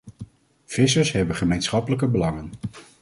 Vissers hebben gemeenschappelijke belangen.